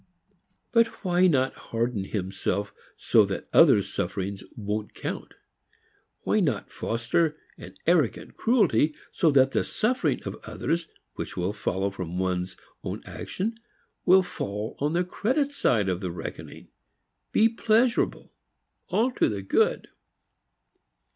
But why not harden himself so that others' sufferings won't count? Why not foster an arrogant cruelty so that the suffering of others which will follow from one's own action will fall on the credit side of the reckoning, be pleasurable, all to the good?